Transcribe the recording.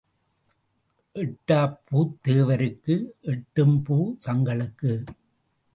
எட்டாப் booth தேவருக்கு எட்டும் booth தங்களுக்கு.